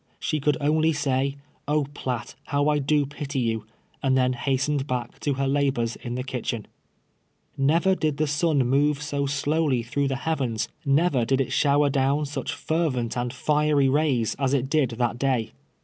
She could only say, "Oh, riatt, Iniw 1 do ])iTy you," and then hastened back to her labors in the kitchen. Xever did the sun move so slowly tluvuigh the heavens — never did it shoMer down such fervent and ARRIVAL OF FORD. 121 fiery rays, as it did that day.